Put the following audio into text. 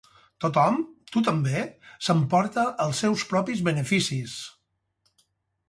Tothom, tu també, s'emporta els seus propis beneficis.